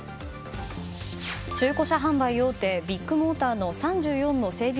中古車販売大手ビッグモーターの３４の整備